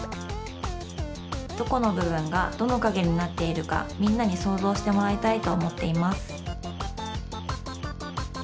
どこのぶぶんがどのかげになっているかみんなにそうぞうしてもらいたいとおもっています。